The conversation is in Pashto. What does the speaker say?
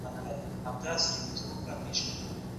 موږ ډېر کله سمه میتودولوژي نه کاروو.